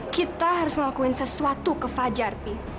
kita harus ngelakuin sesuatu ke fajar pi